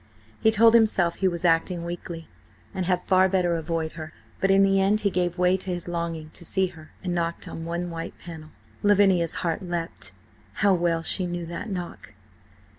He told himself he was acting weakly, and had far better avoid her, but in the end he gave way to his longing to see her, and knocked on one white panel. Lavinia's heart leapt. How well she knew that knock!